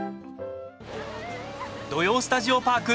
「土曜スタジオパーク」